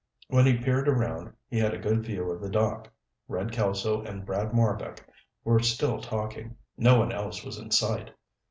When he peered around, he had a good view of the dock. Red Kelso and Brad Marbek were still talking. No one else was in sight.